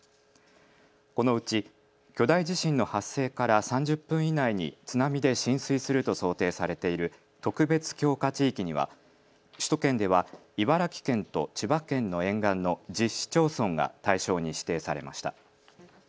このうち巨大地震の発生から３０分以内に津波で浸水すると想定されている特別強化地域には首都圏では茨城県と千葉県の沿岸の１０市町村が対象に指定されました。